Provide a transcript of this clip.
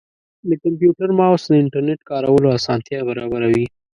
د کمپیوټر ماؤس د انټرنیټ کارولو اسانتیا برابروي.